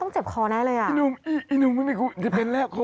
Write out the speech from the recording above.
เสียงเปลี่ยนเลยอ่ะค่ะ